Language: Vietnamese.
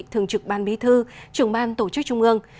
thường trực ban bí thư trưởng ban tổ chức trung ương